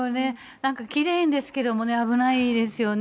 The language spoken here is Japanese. なんかきれいですけどもね、危ないですよね。